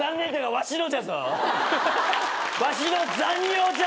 わしの残尿じゃぞ。